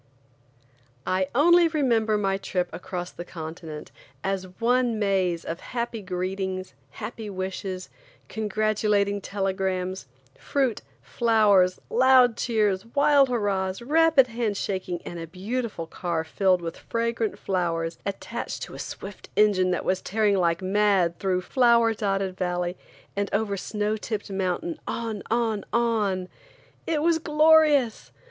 I ONLY remember my trip across the continent as one maze of happy greetings, happy wishes, congratulating telegrams, fruit, flowers, loud cheers, wild hurrahs, rapid hand shaking and a beautiful car filled with fragrant flowers attached to a swift engine that was tearing like mad through flower dotted valley and over snow tipped mountain, on–on–on! It was glorious!